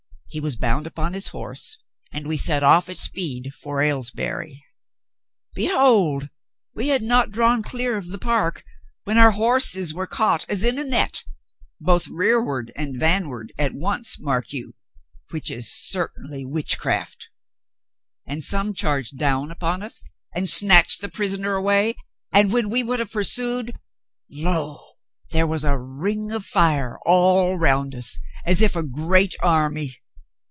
He was bound upon his horse, and we set off at speed for Aylesbury. Behold, we had not drawn clear of the park when our horses were caught as in a net — both rearward and vanward at once, mark you, which is certainly witchcraft — and some charged down upon us and snatched the prisoner away, and when we would have pursued, lo, there was a ring of fire all round us, as if a great army.